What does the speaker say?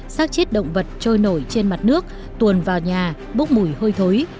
sát chết động vật trôi nổi trên mặt nước tuồn vào nhà bốc mùi hôi thối